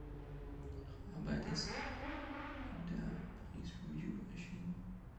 Ihre Arbeit ist in der "Paris Review" erschienen.